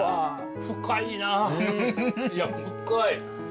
深いないや深い。